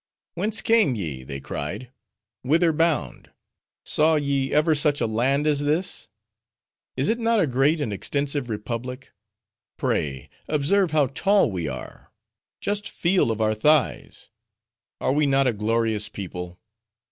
"Whence came ye?" they cried. "Whither bound? Saw ye ever such a land as this? Is it not a great and extensive republic? Pray, observe how tall we are; just feel of our thighs; Are we not a glorious people?